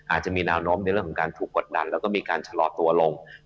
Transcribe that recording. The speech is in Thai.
อาจจะมีแนวโน้มในเรื่องของการถูกกดดันแล้วก็มีการชะลอตัวลง